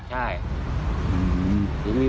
ใช่